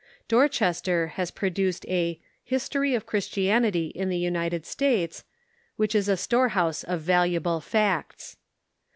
Dorchester has produced a "History of Christianity in the United States," which is a storehouse of valuable facts.